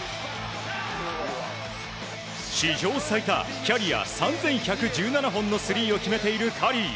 史上最多キャリア３１１７本のスリーを決めているカリー。